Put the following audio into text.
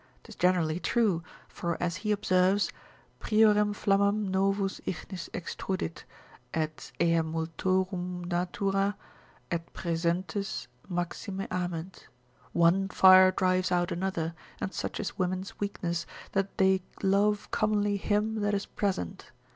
'Tis generally true; for as he observes, Priorem flammam novus ignis extrudit; et ea multorum natura, ut praesentes maxime ament, one fire drives out another; and such is women's weakness, that they love commonly him that is present.